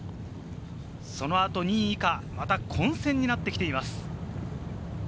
その後、２位以下、また混戦になってきています。